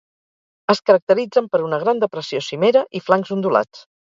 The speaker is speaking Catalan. Es caracteritzen per una gran depressió cimera i flancs ondulats.